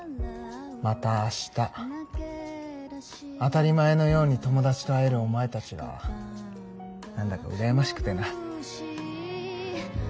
また明日当たり前のように友達と会えるお前たちが何だか羨ましくてな。